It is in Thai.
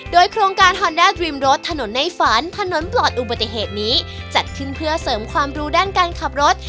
โดยโครงการฮอนด้าตรีมรถถนนในฝันถนนปลอดอุบัติเหตุนี้จัดขึ้นเพื่อเสริมความรู้ด้านการขับรถ